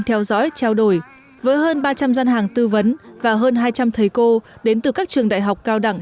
theo dõi trao đổi với hơn ba trăm linh gian hàng tư vấn và hơn hai trăm linh thầy cô đến từ các trường đại học cao đẳng